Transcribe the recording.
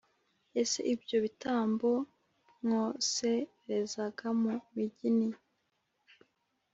ese ibyo bitambo mwoserezaga mu migi ni